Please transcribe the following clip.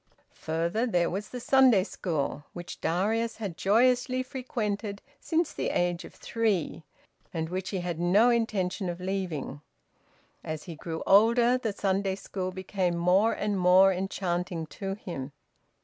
Further, there was the Sunday school, which Darius had joyously frequented since the age of three, and which he had no intention of leaving. As he grew older the Sunday school became more and more enchanting to him.